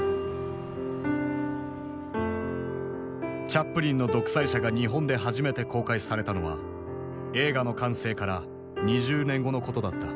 チャップリンの「独裁者」が日本で初めて公開されたのは映画の完成から２０年後のことだった。